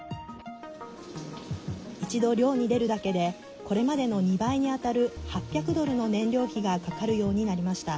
一度漁に出るだけでこれまでの２倍に当たる８００ドルの燃料費がかかるようになりました。